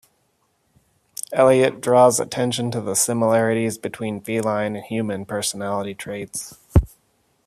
Eliot draws attention to the similarities between feline and human personality traits.